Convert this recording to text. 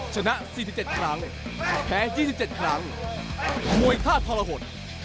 ชนะ๔๗ครั้งเผย๒๑ครั้งเผย๑๗ครั้ง